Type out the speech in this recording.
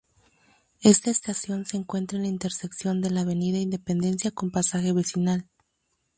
Esta estación se encuentra en la intersección de la Avenida Independencia con Pasaje Vecinal.